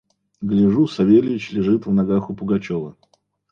Гляжу: Савельич лежит в ногах у Пугачева.